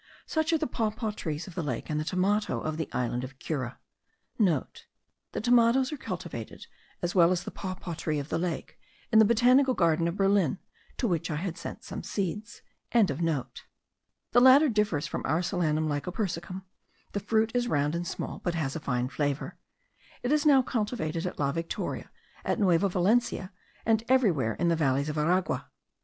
Such are the papaw trees of the lake; and the tomato* of the island of Cura. (* The tomatoes are cultivated, as well as the papaw tree of the lake, in the Botanical Garden of Berlin, to which I had sent some seeds.) The latter differs from our Solanum lycopersicum; the fruit is round and small, but has a fine flavour; it is now cultivated at La Victoria, at Nueva Valencia, and everywhere in the valleys of Aragua.